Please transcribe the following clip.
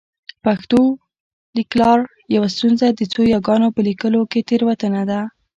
پښتو لیکلار یوه ستونزه د څو یاګانو په لیکلو کې تېروتنه ده